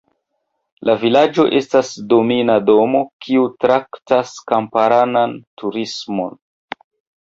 La vilaĝo estas domina domo, kiu traktas kamparan turismon.